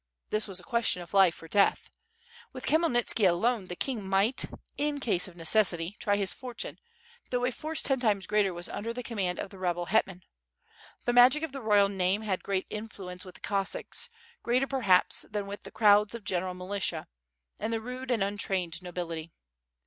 This was a ques tion of life or death. With Khmyelnitski alone the king might, in case of necessity, try his fortune, though a force ten times greater w^as under the command of the rebel het man. The magic of the royal name had great influence with the Cossacks; greater perhaps than with the crowds of gen* era! milita, and the rude and untrained nobility.